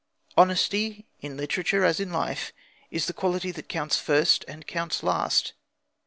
Honesty, in literature as in life, is the quality that counts first and counts last.